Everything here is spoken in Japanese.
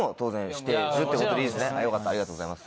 よかったありがとうございます。